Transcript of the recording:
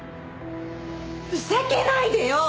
ふざけないでよ！